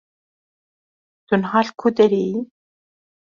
Tu niha li ku derê yî?